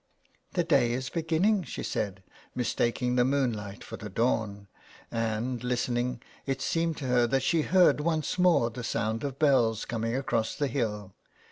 ''The day is beginning," she said, mistaking the moonlight for the dawn, and, listening, it seemed to her that she heard once more the sound of bells coming across the hill.